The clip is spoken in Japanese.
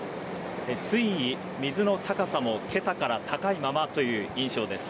水位、水の高さも、今朝から高いままという印象です。